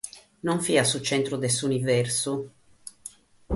Non fiat su tzentru de s'universu.